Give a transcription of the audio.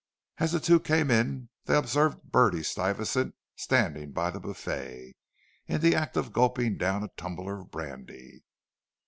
As the two came in they observed Bertie Stuyvesant standing by the buffet, in the act of gulping down a tumbler of brandy.